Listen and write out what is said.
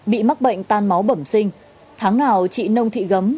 bị mắc bệnh tan máu bẩm sinh tháng nào chị nông thị gấm